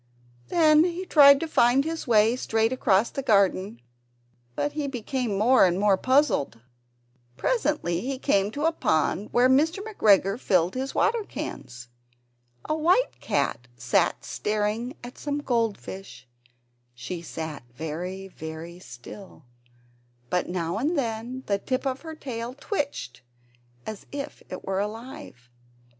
Then he tried to find his way straight across the garden, but he became more and more puzzled. Presently, he came to a pond where Mr. McGregor filled his water cans. A white cat was staring at some goldfish; she sat very, very still, but now and then the tip of her tail twitched as if it were alive.